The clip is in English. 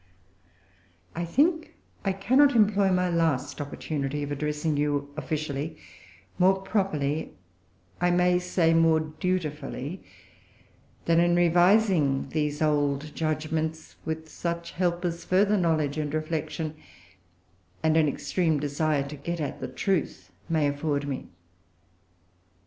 I think that I cannot employ my last opportunity of addressing you, officially, more properly I may say more dutifully than in revising these old judgments with such help as further knowledge and reflection, and an extreme desire to get at the truth, may afford me.